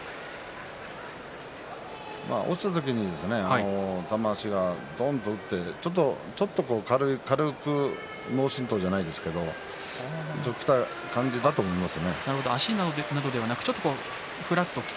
落ちた時に玉鷲、どんと落ちてちょっと軽い脳震とうじゃないですけどもちょっときた感じだと思います。